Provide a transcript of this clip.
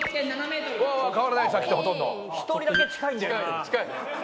１人だけ近いんだよな。